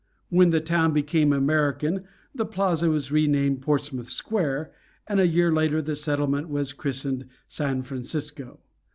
When the town became American the Plaza was renamed Portsmouth Square, and a year later the settlement was christened San Francisco.